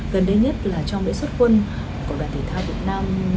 gần đây nhất là trong lễ xuất quân của đoàn thể thao việt nam